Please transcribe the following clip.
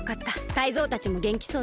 タイゾウたちもげんきそうだ。